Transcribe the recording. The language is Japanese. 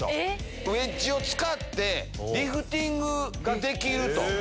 ウエッジを使ってリフティングができると。